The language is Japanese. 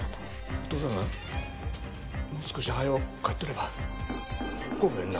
お父さんがもう少しはよ帰っとればごめんな